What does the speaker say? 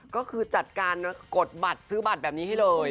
ก็คือจัดการกดบัตรซื้อบัตรแบบนี้ให้เลย